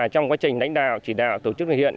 trong quá trình đánh đạo chỉ đạo tổ chức thực hiện